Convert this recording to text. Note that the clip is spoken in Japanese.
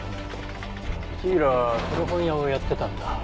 火浦は古本屋をやってたんだ。